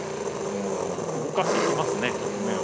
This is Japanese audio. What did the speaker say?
動かしていきますね局面を。